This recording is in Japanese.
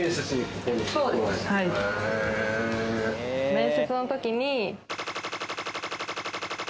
面接のときに。